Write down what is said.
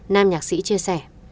nam nhạc sĩ chia sẻ